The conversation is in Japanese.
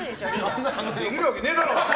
できるわけねえだろ！